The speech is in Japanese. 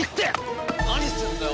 何すんだよお前！